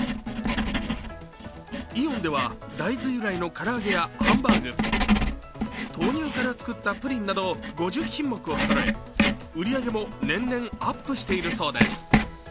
イオンでは大豆由来のから揚げやハンバーグ、豆乳から作ったプリンなど５０品目をそろえ売り上げも年々アップしているそうです。